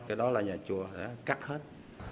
cái đó là nhà chùa cắt hết